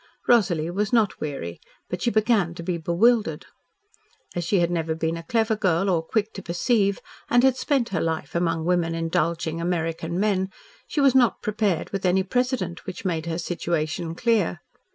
Rosalie was not weary, but she began to be bewildered. As she had never been a clever girl or quick to perceive, and had spent her life among women indulging American men, she was not prepared with any precedent which made her situation clear.